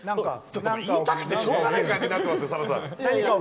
言いたくてしょうがない感じになってますよ、さださん。